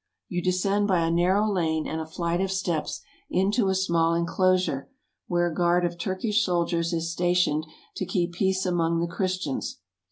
You descend by a narrow lane and a flight of steps into a small enclosure, where a guard of Turkish soldiers is stationed to keep peace among the Christians.